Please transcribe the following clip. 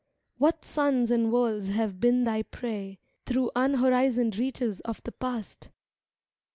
What suns and worlds have been thy prey Through unhorizoned reaches of the past!